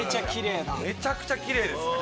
めちゃくちゃキレイです。